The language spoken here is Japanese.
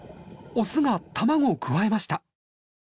オスが卵をくわえました。